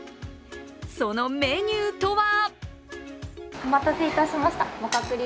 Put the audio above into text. そのメニューとは？